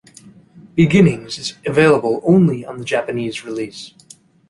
"Beginnings" is available only on the Japanese release.